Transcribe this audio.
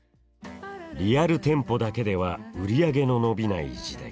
リアル店舗だけでは売り上げの伸びない時代。